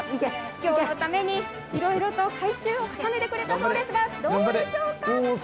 きょうのために、いろいろと改修を重ねてくれたそうですが、どうでしょうか。